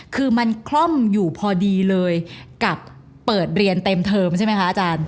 คือมันคล่อมอยู่พอดีเลยกับเปิดเรียนเต็มเทอมใช่ไหมคะอาจารย์